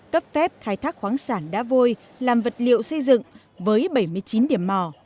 cấp phép khai thác khoáng sản đá vôi làm vật liệu xây dựng với bảy mươi chín điểm mỏ